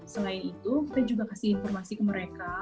selain itu kita juga kasih informasi ke mereka